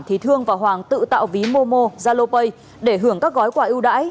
thì thương và hoàng tự tạo ví momo zalopay để hưởng các gói quà ưu đãi